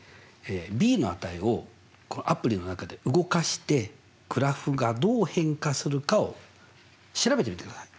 ｂの値をアプリの中で動かしてグラフがどう変化するかを調べてみてください。